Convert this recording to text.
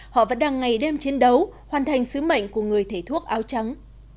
họ vẫn đang ngày đêm chiến đấu hoàn thành sứ mệnh của người thể thuốc áo trắng